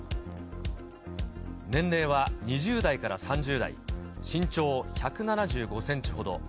年齢は２０代から３０代、身長１７５センチほど。